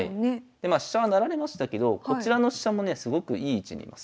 でまあ飛車は成られましたけどこちらの飛車もねすごくいい位置にいます。